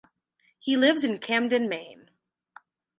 He lives in Camden, Maine.